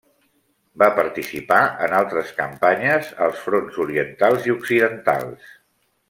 Va participar en altres campanyes als fronts orientals i occidentals.